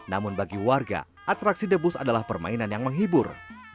namun bagi warga atraksi debus adalah permainan yang menghibur